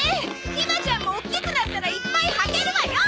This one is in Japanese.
ひまちゃんも大きくなったらいっぱい履けるわよ。